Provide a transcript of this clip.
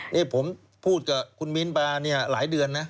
นี่ผมพูดกับคุณมิ้นมาเนี่ยหลายเดือนนะ